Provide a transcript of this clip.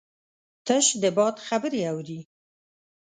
تش د باد خبرې اوري